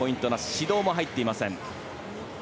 指導も入っていません。